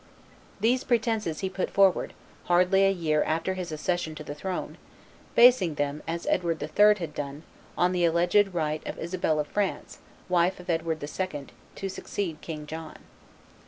These pretences he put forward, hardly a year after his accession to the throne, basing them, as Edward III. had done, on the alleged right of Isabel of France, wife of Edward II., to succeed King John.